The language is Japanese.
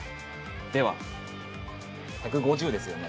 では１５０ですよね。